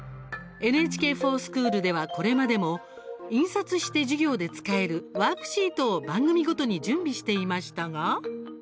「ＮＨＫｆｏｒＳｃｈｏｏｌ」では、これまでも印刷して授業で使えるワークシートを番組ごとに準備していましたが。